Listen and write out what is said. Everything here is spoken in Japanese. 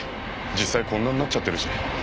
実際こんなんなっちゃってるし。